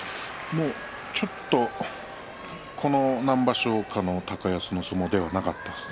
ちょっとここ何場所かの高安の相撲ではなかったですね。